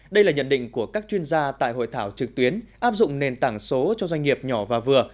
đây là nhận định của các chuyên gia tại hội thảo trực tuyến áp dụng nền tảng số cho doanh nghiệp nhỏ và vừa